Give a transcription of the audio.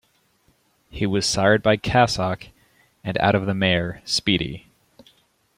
He was sired by Cassock and out of the mare, Speedy.